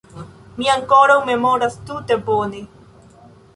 Mi ankoraŭ memoras tute bone.